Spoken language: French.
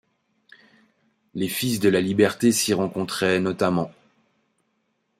Les Fils de la Liberté s'y rencontraient notamment.